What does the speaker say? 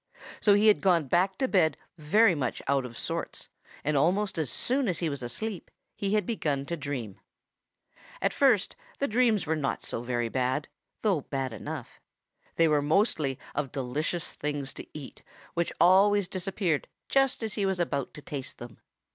So he had gone back to bed very much out of sorts and almost as soon as he was asleep he had begun to dream. At first the dreams were not so very bad, though bad enough. They were mostly of delicious things to eat which always disappeared just as he was about to taste them.